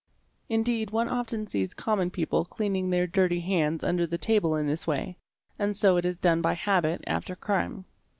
Indeed one often sees common people cleaning their dirty hands under the table in this way, and so it is done by habit after crime.